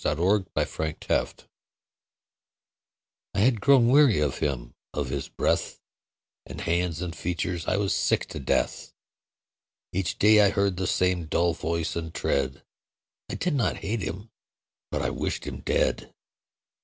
THOU SHALT NOT KILL I had grown weary of him; of his breath And hands and features I was sick to death. Each day I heard the same dull voice and tread; I did not hate him: but I wished him dead.